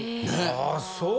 ああそう。